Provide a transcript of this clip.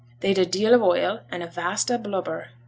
They'd a deal of oil, and a vast o' blubber.